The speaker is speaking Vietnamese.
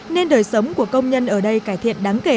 nên đời sống của công nhân ở đây cải thiện đáng kể